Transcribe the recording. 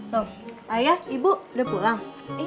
loh ayah ibu udah pulang